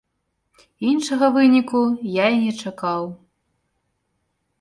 Іншага выніку я і не чакаў.